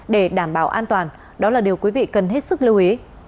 để đảm bảo an toàn đó là điều quý vị cần hết sức lưu ý